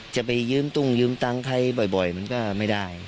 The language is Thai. จะไปยืมตุ้งยืมตังค์ใครบ่อยมันก็ไม่ได้